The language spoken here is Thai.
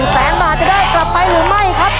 แสนบาทจะได้กลับไปหรือไม่ครับ